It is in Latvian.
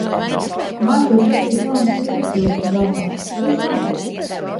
Mācos veidot jaunas domu cilpas galvā. Būs labi.